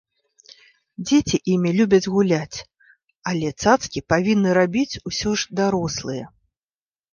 Дзеці імі любяць гуляць, але цацкі павінны рабіць усё ж дарослыя.